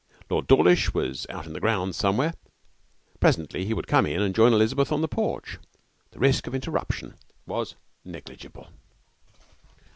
Lord Dawlish was out in the grounds somewhere. Presently he would come in and join Elizabeth on the porch. The risk of interruption was negligible.